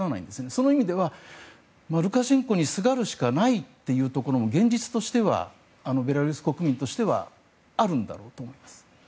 その意味では、ルカシェンコにすがるしかないというところも現実的にベラルーシ国民としてはあるんだと思います。